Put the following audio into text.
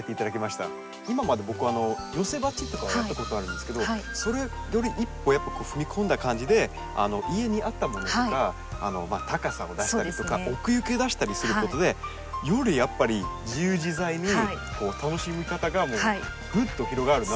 今まで僕は寄せ鉢とかはやったことあるんですけどそれより一歩やっぱ踏み込んだ感じで家にあったものとか高さを出したりとか奥行きを出したりすることでよりやっぱり自由自在に楽しみ方がぐっと広がるなと思って。